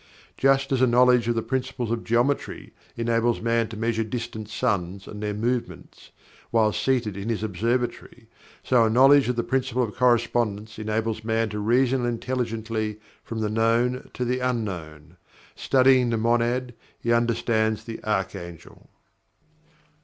Just as a knowledge of the Principles of Geometry enables man to measure distant suns and their movements, while seated in his observatory, so a knowledge of the Principle of Correspondence enables Man to reason intelligently from the Known to the Unknown. Studying the monad, he understands the archangel.